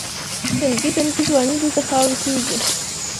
دنګې دنګې ځوانۍ دلته خاورې شوې دي.